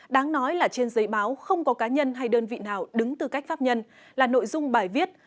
đáng nói là trên giấy báo không có cá nhân hay đơn vị nào đứng tư cách pháp nhân là nội dung bài viết